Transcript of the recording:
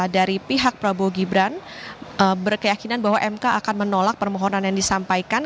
dari pihak prabowo gibran berkeyakinan bahwa mk akan menolak permohonan yang disampaikan